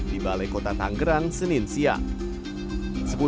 di balai kota tanggerang senin siang